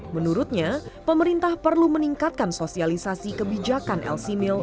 menurutnya pemerintah perlu meningkatkan sosialisasi kebijakan lcmil